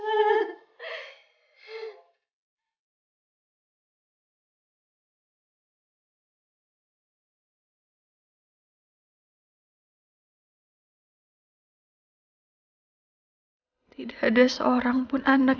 ketika saya men bagsir ke tahun nd